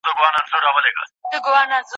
« وفا کنیم و ملامت کشیم و خوش باشیم